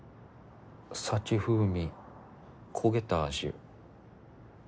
サチ風味焦げた味。